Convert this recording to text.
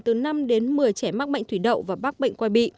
từ năm đến một mươi trẻ mắc bệnh